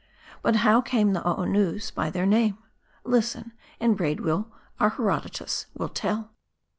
But how came the Ohonoose by their name ? Listen, and Braid Beard, our Herodotus, will tell.